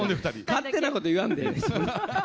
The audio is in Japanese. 勝手なこと言わんでええ。